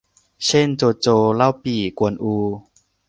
เช่น โจโฉ เล่าปี่ กวนอู